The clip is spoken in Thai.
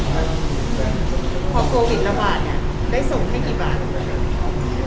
พอโกวิทย์ระหว่างเนี่ยได้ส่งให้กี่บาท